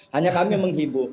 hanya kami menghibur